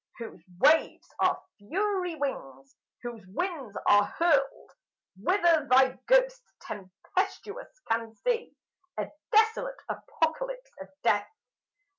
Whose waves are fury wings, whose winds are hurled Whither thy Ghost tempestuous can see A desolate apocalypse of death.